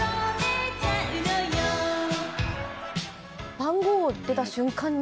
番号出た瞬間に。